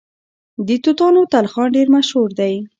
د توتانو تلخان ډیر مشهور دی.